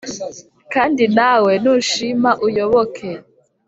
Kandi nawe nushima uyoboke